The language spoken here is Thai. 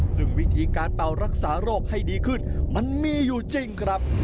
ซึ่งวิธีการเป่ารักษาโรคให้ดีขึ้นมันมีอยู่จริงครับ